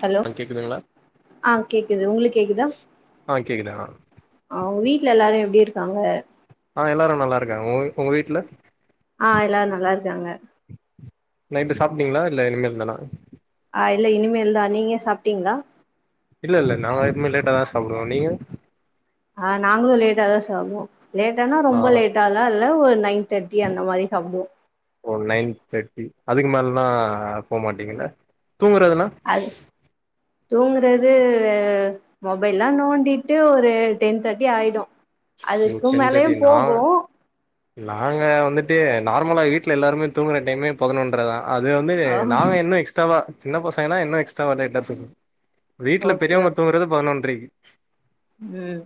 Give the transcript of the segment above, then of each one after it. Hello ஆ கேக்குதுங்களா ஆ கேக்குது உங்ளுக்கு கேக்குதா ஆ கேக்குது ஆ தாங்க ஆ எல்லாரு நல்லா இருக்காங்க உ உங்க வீட்ல ஆ எல்லாரு நல்லா இருக்காங்க நைட்டு சாப்டீங்ளா இல்ல இனிமேல் தானா ஆ இல்ல இனிமேல் தா நீங்க சாப்டீங்ளா இல்ல இல்ல நாலா எப்போமே லேட்டா தா சா ஆ நாங்களு லேட்டா தா சா சாப்டுவோ லேட்டனா ஆ ரொம்ப லேட்டாலா இல் ஒரு நைன் த்தேட்டி அந்த மாரி சாப்டுவோ ஓ நைன் தேட்டி அதுக்கு மேலலா போக மாட்டீங்களா தூங்குறது எல்லா அது தூங்குறது மொபைல்லா நோண்டிட்டு ஒரு டென் தேட்டி ஆயிடு ஓ அதுக்கும் டென் மேலயு தேர்ட்டி நா போகு நாங்க வந்துட்டு நார்மலா வீட்ல எல்லாருமே தூங்குற டைமே பதினொன்றதா அது வந்து ஆ நாங்க இன்னு எக்ஸ்ட்ராவா சின்ன பசங்கனா இன்னு எக்ஸ்ட்ரா வாங்குனா என்ன [unintelligible] வீட்ல பெரியவுங்க தூங்குறது பதினொன்றக்கி [inaudible] உம்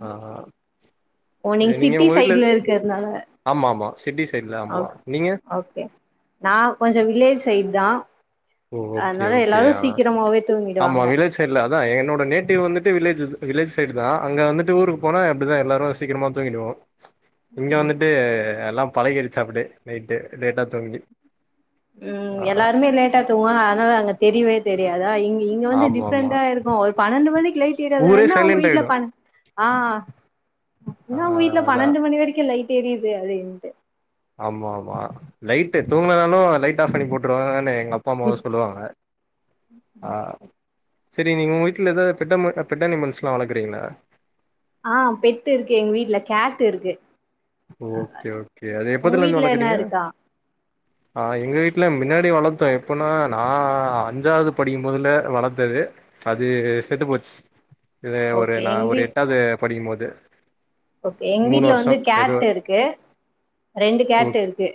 ஓ நீங்க சரி சிட்டி உங்க வீட்ல சைட்ல இருக்குறதுனால ஆமா ஆமா சிட்டி சைட்ல ஆமா ஓக் நீங்க ஓகே நா கொஞ்சோ வில்லேஜ் சைடு தா ஓ ஓகே அதனால ஓகே எல்லாரு ஆ சீக்கிரமாவே ஆமா தூங்கிடுவாங்க வில்லேஜ் சைடுல அதா என்னோட நேட்டிவ் வந்துட்டு வில்லேஜ் வில்லேஜ் சைடு தா அங்க வந்துட்டு ஊருக்கு போனா அப்டி தா எல்லோரு சீக்கிரமா தூங்கிடுவோ இங்க வந்துட்டு எல்லா பழகிடுச்சு அப்டியே நைட்டு லேட்டா தூங்கி உம் ஆ எல்லாருமே லேட்டா தா தூங்குவோ அதனால அங்க தெரியவே தெரியாதா இங்க இங்க வந்து ஆமா ஆமா டிப்ரெண்டா இருக்கு ஒரு பன்னெண்டு மணிக்கு லைட் எரியுதா ஊரே என்ன உங்க சைலண்ட் வீட்ல ஆயிடு ஆ ஆ என்ன உங்க வீட்ல அதா பன்னெண்டு மணி வரைக்கு லைட் தெரியுது அது எதுன்டு ஆமா ஆமா நைட்டு தூங்குனாதா லைட் ஆப் பண்ணி போட்டுருவேனு எங்க அப்பா அம்மாவு சொல்லுவாங்க சரி நீங்க உங்க வீட்ல ஏதாவது பெட் பெட் அனிமல்ஸ் எல்லா வளக்குறீங்ளா ஆ பெட்டு இருக்கு எங்க வீட்ல கேட் இருக்கு ஓகே ஓகே அது உங்க எப்பதுல இருந்து வீட்ல என்ன வளக்குறீங்க இருக்கா ஆ எங்க வீட்ல முன்னாடி வளத்தோ எப்பனா நா அஞ்சாவது படிக்கும்போதுல வளத்தது அது செத்துப் போச்சு இது ஒரு ஓகே நா எங்க ஒரு வீட் எட்டாவ்து படிக்கும்போது ஓகே எங்க வீட்ல வந்து கே கேட் இருக்கு ரெண்டு கேட் ஓகே இருக்கு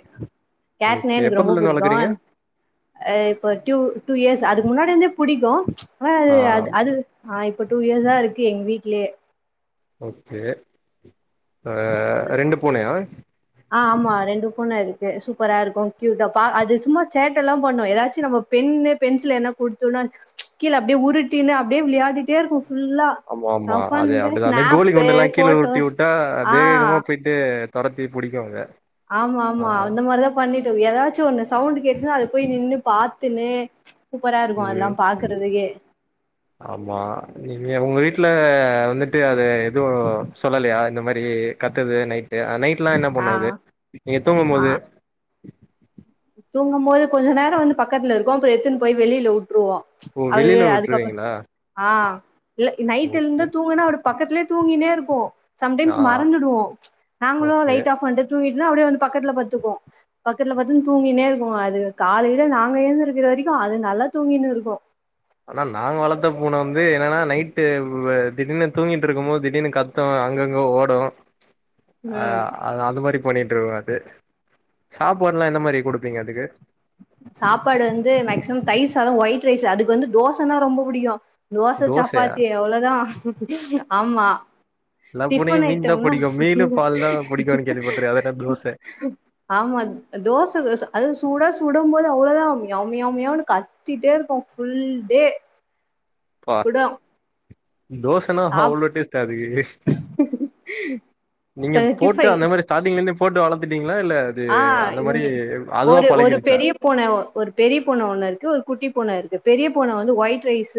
கேட் நா ஓகே எனக்கு ரொம்ப எப்பதுல இருந்து பிடிக்கு வளக்குறீங்க இப்போ ட்யு இயர்ஸ் அதுக்கு முன்னாடி இருந்தே பிடிக்கு ஆ அது ஆ அது அது ஆ இப்ப ட்டூ இயர்ஸா இருக்கு எங்க வீட்லயே ஓகே ஆ ரெண்டு பூனையா ஆ ஆமா ரெண்டு பூன இருக்கு சூப்பரா இருக்கு க்யூட்டா பா அது சும்மா சேட்டலா பண்ணோ ஏதாச்சு நம்ம பென்னு பென்சில் என்ன கொடுத்தோம்னா கீழ அப்படியே உருட்டின்னு அப்படியே விளையாடிட்டே இருக்கு ஆமா ஆமா அதே அப்படிதா கோழி ஸ்னாப்பு, குண்டு எல்லா கீழஉருட்டி ஃபோட்டோஸ் விட்டா ஆ வேகமா போயிட்டு துரத்தி பிடிக்கு அத ஆமா ஆ ஆமா அந்த மாரிதா பண்ணிட்டு இருங்க ஏதாச்ச ஒன்னு சவுண்ட் கேட்டுச்சுன்னா அது போய் நின்னு பாத் துனு உ ஆமா நீங்க உங்க வீட்டுல. ஆ வந்துட்டு அது எதுவு சொல்லயா இந்த மாரி கத்துது நைட். நைட்லா என்ன ஆ பண்ணு அது நீங்க தூங்கும் போது. தூங்கம்போது. கொஞ்ச நேரோ வந்து பக்கத்துல இருக்கு போ எத்துன்னு போய் வெளில விட் ட்ருவோ ஓ அது வெளில அதுக்கப்றோ விட்ருவீங்களா ஆ இல்ல நைட் ஓகே இருந்து தூங்கினா அப்டி பக்கத்திலே தூங்கினேஇரு. ரு போ. ஆ சம்டைம்ஸ் மறந்துடுவோ நாங்களு ஓகே லைட் ஆஃப் பன்டு தூங்கி டனேஅப்படியே வந்து பக்கத்துல பட்துக்கு பக்கத்துல பட்த் அது தூங்கினே இருக்கு அது காலையில நாங்க எழுந்திரிக்கிற வரைக்கு அது நல்லா தூங்கினு இருக்கு ஆனா நாங்க வளத்த பூன வந்து என்னனா நைட்டு திடீர்னு தூங்கிட்டு இருக்கமோ திடீர்னு கத்தோ அங்கங்க ஓடு ஆ ம் அ அது மாரி. பண்ணிட்ருக்கோ அது சாப்பாடுலா என்ன மாரி குடுப்பீங்க அதுக்கு. சாப்பாடு வந்து மேக்சிமம் தயிர் சாதோ ஒயிட் ரைஸ் அதுக்கு வந்து தோசைனா ரொம்ப புடிக்கு தோச தோசையா சப்பாத்தி அவ்ளோதா ஆமா எல்லா பூனைக்கு டிபன் மீன் தா ஐட்டம்னா புடிக்கு மீனு பால் தா புடிக்குன்னு கேள்விப்பட்ருக்கே அது என்ன தோச ஆமா தோச அது சூடா. சுடும் போது அவ்ளோதா மியா மியாவனு கத்திட்டே இருக்கு ஃபுல் டே. ப்பா விடு தோசனா அவ்ளோ டேஸ்டா அதுக்கு. நீங்க போட்டு டிஃபை அந்த மாரி ஸ்டார்டிங். இங்க இந்து ஃபோட்டு வளத்துட்டீங்க. ஆ அதுவா ஒரு ஒரு பழகிருச்சா பெரிய பூன ஒரு பெரிய பூன ஒன்னு இருக்கு ஒரு குட்டி பூன இருக்கு பெரிய. பூன வந்து ஒயிட் ரைஸ்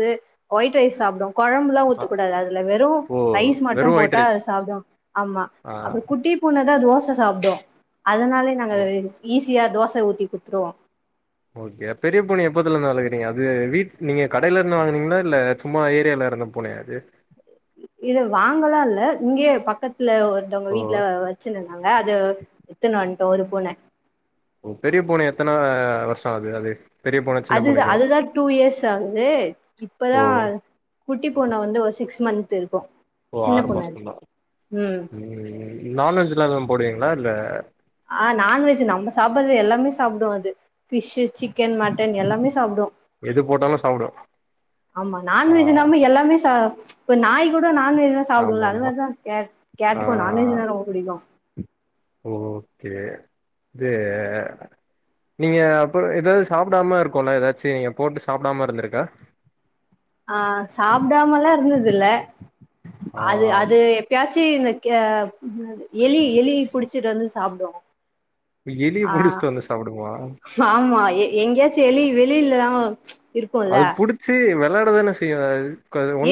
ஒயிட் ரைஸ் சாப்பிடு. கொழம்புலா ஆ, ஊத்தக்கூடாது அதுல வெறு ஓ ரைஸ் மட்டு வெறு ஒயிட் போட்டா ரைஸ் சாப்புடு ஆமா ஆ அப்பு குட்டி பூன. தா தோச சாப்புடு அதனாலே நாங்க ஓ ஈஸ் சியா தோச ஊத்தி குடுத்ருவோ ஓகே பெரிய பூன எப்பத்துல இருந்து வளர்க்குறீங்க அது வீட் நீங்க கடையில இருந்து வாங்குனீங்களா இல்ல சும்மா ஏரியில இருந்த பூனையா அது. இது வாங்கலா இல்ல இங்கியே பக்கத் ல்ல ஒருத்தவங்க ஓ வீட்ல வச்சின்னிந்தாங்க அது எத்துனு வ ஒரு பூன உ பெரிய பூன எத்தன வருஷோ ஆது அது பெரிய பூனை சின்ன அதுதா பூனைக்கு அதுதா டூ இயர்ஸ் ஆகுது இப்பதா ஓ குட்டி பூன வந்து ஒரு சிக்ஸ் மந்த் இருக்கு ஓ சின்ன ஆறு பொண்ணு அது மாசோதா ம் நான்வெஜ்ல்லா எது போடுவீங்ளா இல்ல ஆ நான்வெஜ் நம்ம சாப்பறது எல்லாமே சாப்புடு அது ஃபிஷ் சிக்கன் மட்டன் எல்லாமே சாப்புடு எது போட்டாலு சாப்டு ஆமா ஆ நான்வெஜ் நாம எல்லாமே சா இப்ப நாய் கூட நா நான்வெஜ்லா சாப்புடுல்ல அது ஆமாமா மாரி தா கே ஆ கேட்டுக்கு நான்வெஜ்னா ரொம்ப புடிக்கு ஓகே இது நீங்க அப்றோ எதாது சாப்டாம இருக்கோல எதாச்சி நீங்க போட்டு சாப்டாம இருந்திருக்கா ஆ சாப்டாமல்லா இருந்ததுல்ல ஆ அது அது எப்பயா சி இந்த கே எலி எலி புடிச்சிட்டு வந்து சாப்டோ எலிய ஆ புடிச்சிட்டு வந்து சாப்டுமா ஆமா எங்கியாச்சி எலி வெ வெளியில்லாதங்கோ அது புடிச்சி வெ விளாடதான செய்யு அ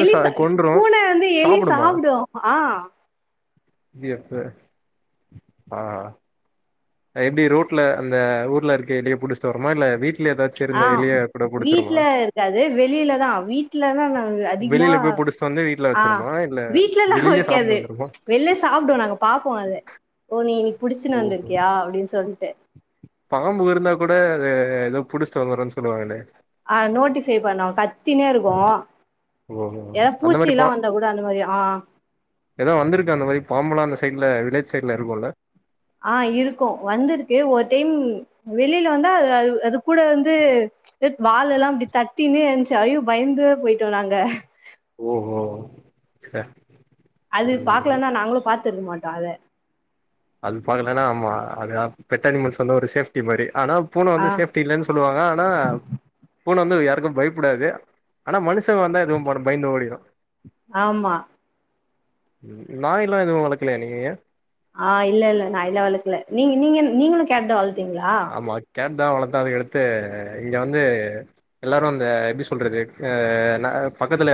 எலி ச பூன வந்து எலி சாப்புடு அ எப்ப ஆ எப்பிடி ரோட்ல அந்த ஊர்ல இருக்க எலிய புடிச்சிட்டு வரும இல்ல வீட் ஆ வீட்ல இருக்காது வெளில தா வீட்லல்லா நா அதிகமா வெளில போய் புடிச்சிட்டு வந்து வீட்ல ஆ வச்சிருமா இல்ல வீட்லெல்லா வெளிலயே வெக்காது சாப்ட்டு வந்துருமா வெளில சாப்டு நாங்க பாப்போ அத ஓ நீ புடிச்சுனு ஓஹோ வந்திருக்கியா அப்டின்னு சொல் பாம்பு இருந்தா கூட அது எதோ புடிச்சுட்டு வந்துறோன்னு சொல்லுவாங்களே ஆ நோட்டிஃபை பண்ணு கத் தினே இருக்கு ஓஹோ எதா அந்த மாரி பூச்சில்லா பா வந்தா கூட அந்த மாரி ஆ பாம்பெல்லா அந்த சைட்ல வில்லே ஆ இருக்கு வந்திருக்கு ஒரு டைம் வெளில வந்தா அ அது அது கு கூட வந்து வாலெல்லா இப்டி தட்டினு இன்ச்சு ஐயோ பயந்தே போயிட்டோ நாங்க ஓ ஓகோ ச்சே அது பாக்கலா தா நாங்களு பாத் த்ருக்க மாட்டா அத அது பாக்கலன்னா ஆமா அது பெட்ட அனிமல்ஸ் வந்த ஒரு சேப்டி மாரி ஆனா பூன ஆ வந்து சேஃப்டி இல்லன்னு சொல்லுவாங்க ஆனா பூன வந்து யாருக்கு பயப்படாது ஆனா மனுஷங்க வந்தா இதுவு பயந்து ஓடிடு ஆமா நாய் எல்லா எதுவு வளக்கலைய நீங்க ஆ இல்ல இல்ல நாய்ல்லா வளக்கல நீங்க நீங்க நீங்களு கேட் தீங்ளா ஆமா கேட் தா வளத்த அதுகடுத்து இங்கே வந்து ம்ச் எல்லாரு அந்த எப்டி சொல்றது நா பக்கத்ல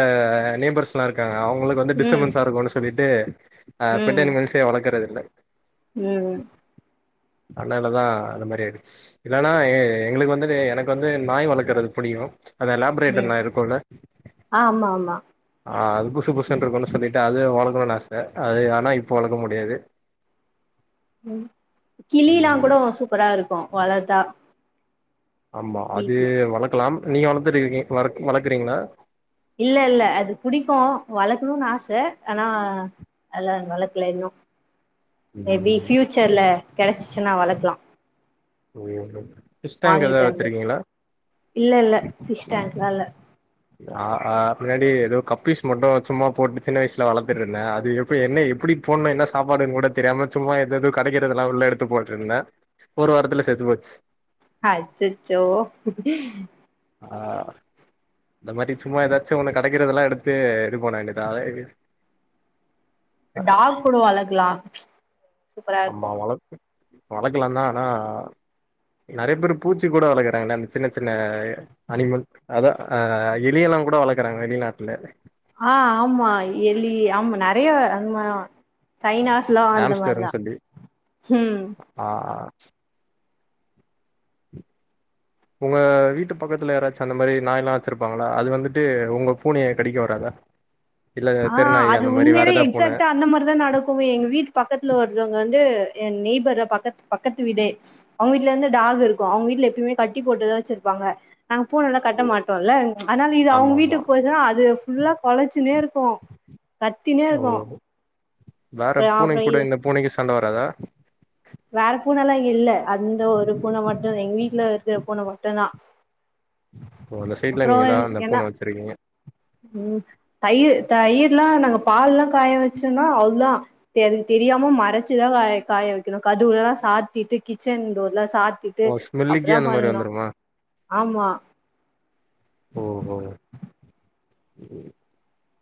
நெய்பர்ஸ்லா இருக்காங்க ஆ அவுங்களுக்கு வந்து ம் டிஸ்டபன்ஸ்ஸா இருக்குனு சொல்லிட்டு ட்டு ஆ பெட் அனிமல்சே வளக்குறதில [inaudible] உம் அதனாலதா அந்த மாரி இலனா எ எங்களுக்கு வந்துட்டு எனக்கு வந்து நாய் வளக்குறது புடிக்கு அத லேப்ரேடர் ம் இருக்குல்ல ஆமா ஆமா அது புஸ்சு புசுனு இருக்குனு சொல்லி அது வளக்கணுனு ஆச அது ஆனா இப்ப வளக்க முடியாது உம் கிளில்லாங்கூட ம் சூப்பர நல்ல இருக்கும் வளத்தா ஆமா அது வீட்ல வளக்கலாம் நீங்க வளத்துருக்கீங்க வளக் வளக்கறீங்களா இல்ல இல்ல அது புடிக்கும் வளக்கணும்னு ஆச ஆனா அல்லா வளக்கல இன்னும் மேபி ம் பியூச்சர்ல கெடைச்சிச்சின்னா வளக்கலா ம் வாங்கிட்டு வந்து இல்ல இல்ல பிஷ் டேங்க்லா இல்ல ஆ ஆ முன்னாடியே எதோ கப்பிஸ் மட்டும் சும்மா போட்டு சின்ன வயசுல வளத்துட்டு இருந்தன் அது எப்டி என்ன எப்டி போடுனு என்ன சாப்பாடுன்னு கூட தெரியாம சும்மா எதஎதோ கெடைக்கறதல்லா உள்ள எடுத்து போட்டு இருந்தன் ஒரு வாரத்துல செத்து போச்சி அச்சச்சோ ஆ இந்த மாரி சும்மா எதாச்சும் ஒண்ணு கெடைக்கறதெல்லா எடுத்து இது பண்ண வேண்டிதா அத டாக் கூட வளக்கலா சூப்பரா அம்மா இருக்கு வளக் வளக்கலாதான் ஆனா நறையா பேர் பூச்சி கூட வளக்கறாங்கல்ல அந்த சின்ன சின்ன அனிமல் அதா ஆ எலியெல்லா கூட வளக்கறாங்க வெளிநாட்டுல ஆ ஆமா எலி ஆமா நறையா ஆமா தைனாஸ்லா அந்த மாரிதா ஆம்ஸ்டர்ன்னு சொல்லி ம் ஆ உங்க வீட்டு பக்கத்துல யாராச்சு அந்த மாரி நாய்லா வச்சிருப்பாங்களா அது வந்துட்டு உங்க பூனைய கடிக்க வராதா இல்ல ஆ தெருநாய் அது அந்த மாரி வேற உண்மையிலே ஏதா பூன எக்ஃசாக்ட்டா அந்த மாரிதா நடக்குமே எங்க வீட்டு பக்கத்துல ஒருத்தவங்க வந்து ஏ நெய்பர் தா பக்கத்து பக்கத்து வீடே அவுங்க வீட்ல வந்து டாகு இருக்கும் அவுங்க வீட்ல எப்பயுமே கட்டி போட்டுதா வச்சிருப்பாங்க நாங்க பூனலா கட்ட மாட்டோன் இல்ல அதனால இது ஆமா அவுங்க ஆமா வீட்டுக்கு போய்ச்சின்னா அது ஃபுல்லா கொலைச்சினே இருக் கும் கத்தினே ஓ இருக்கோ வேற ஆ அப்புறோ பூனைக்கு கூட இந்த பூனைக்கு சண்ட வராதா வேற பூனலா இல்ல அந்த ஒரு பூன மட்டுதா எங்க வீட்ல இருக்கிற பூன மட்டுதா ஓ அந்த சைட்ல நீங்க தா அந்த பூன வச்சிருக்கீங்க ம் தயிர் தயிர்லா நாங்க பால்லா காய வச்சோன்னா அவ்ளோதா தெ தெரியாம மறைச்சிதா காய காய வைக்கணு கதுவுல சாத்திட்டு கிச்சன் டோர்லா சாத்திட்டு ஓ ஸ்மெல்லுக்கே அப்டிதா அந்த மாரி பண்ணோ வந்துருமா ஆமா ஓஹோ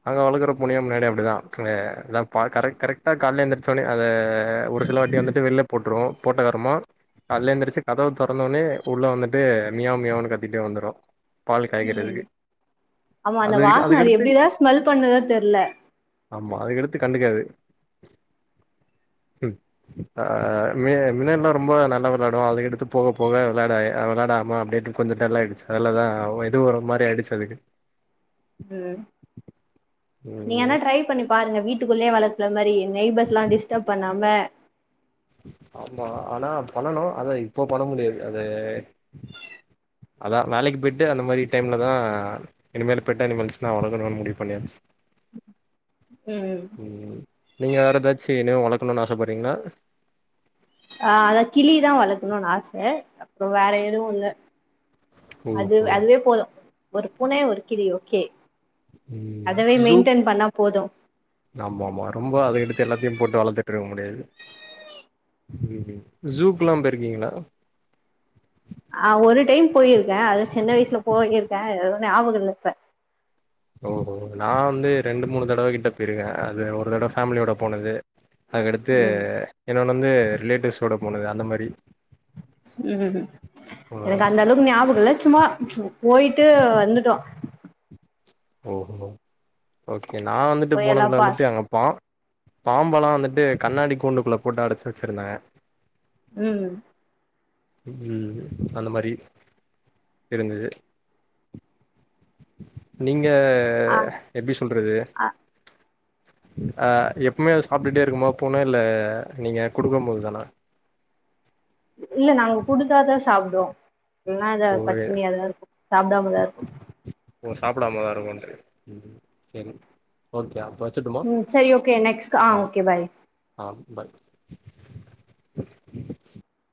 அங்க வளக்குற பூனையு முன்னாடி அப்டிதா ஆ க பா கரெட் கரெட்டா கால எந்திரச்ச ஒன்னே அது த ஒரு சில வாட்டி வந்துட்டு வெளில போட்டுரு போட்டக்கரம கால்ல எழுந்திரிச்சி கதவு தொறந்த ஒன்னே உள்ள வந்துட்டு மியா மியாவுன்னு கத்திட்டே வந்துரு பால் ம் காய்க்கிறதுக்கு ஆமா அது அந்த வரைக்கு வாசன அது அதுக்கடுத்து எப்டிதா ஸ்மெல் பண்ணுதோ தெர்ல ஆமா அதுக்கடுத்து கண்டுக்காது ஆ மி மின்னெல்லா ரொம்ப நல்லா விளையாடு அதுக்கடுத்து போக போக விளையாடா விளையாடாம அப்டேட்டு கொஞ்ச டல் ஆயிடிச்சி அதலதா எதோ ஒரு மாரி ஆயிடிச்சி அதுக்கு நீங்க ம் ஆனா ட்ரை பண்ணி பாருங்க வீட்டுக்குள்ளே வளக்குற மாரி நெய்ப்பர்ஸ்லா டிஸ்டப் பண்ணாம ஆமா ஆனா பண்ணணு அத இப்ப பண்ண முடியாது அது அதா வேலைக்கு போயி்ட்டு அந்த மாரி டைம்லதா இனிமேல் பெட் அனிமல்ஸ்லா வளக்கனு முடிவு பண்ணியாச் ம் ம் நீங்க வேற ஏதாச்சி இனிமே வளக் பண்ணு ஆசபறீங்கனா ஆ அதா கிளிதா வளக்கனுன் ஆச அப்புறோ வேற எதுவு இல்ல அது ஓஹோ அதுவே போது ஒரு பூன ஒரு கிளி ஓகே ம் அதவே ஸூ மெயின்டென் பண்ணா போது ஆமா ஆமா ரொம்ப அதுக்கடுத்து எல்லாத்தியு போட்டு வளத்து ட்டுருக முடியாது ஜூக்குல்லா போயிருக்கீங்களா ஆ ஒரு டைம் போயிருக்கே அது சின்ன வயசுல போய்கிருக்கே ஞாபக இல்ல இப்ப ஓ ஓஹோ நா வந்து ரெண்டு மூணு தடவ கிட்ட போயிருக்கே அது ஒரு தடவ ஃபேமிலியோட போனது அதுகடுத்து ம் என்னோ வந்து ரிலேட்டிவ்ஸோட போனது அந்த மாரி ம் எனக்கு அவ்வளோதான். அந்த அளவுக்கு ஞாபக இல்ல சும்மா போயிட்டு வந்துட்டோ ஓ ஓஹோ ஓகே நா வந்துட்டு போயெல்லா போனதுல பாத் வந்துட்டு அங்கப்பா பாம்பெல்லா வந்துட்டு கண்ணாடி கூண்டுக்குள்ள போட்டு அடைச்சி வச்சிருந்தாங்க ம் ம் அந்த மாரி இருந்தது நீங் ங்க ஆ எப்பிடி சொல்றது ஆ அ எப்பமே அது சாப்பிட்டே இருக்குமா போணா இல்ல நீங்க குடுக்கு போதுதானா இல்ல நாங்க குடுத்தாதா சாப் தோ ல்னா இதா ஓ பட்டினியாதா இருக்கு சாப்பிடாமதா இருக்கு ஓ சாப்பிடாமதா இருக்குன்றி ம் சேரி ஓகே வச்சுட்டுமா? ம் சேரி ஓகே நெக்ஸ்க் ஆ ஓகே பாய் பய்